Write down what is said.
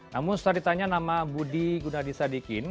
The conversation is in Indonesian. namun setelah ditanya nama budi gunadi sadikin